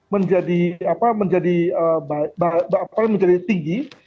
menjadi apa menjadi baik bahkan menjadi tinggi